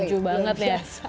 setuju banget ya